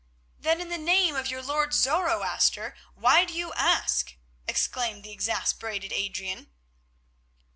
"Then, in the name of your Lord Zoroaster, why do you ask?" exclaimed the exasperated Adrian.